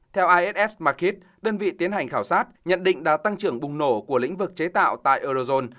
theo ass market đơn vị tiến hành khảo sát nhận định đã tăng trưởng bùng nổ của lĩnh vực chế tạo tại eurozone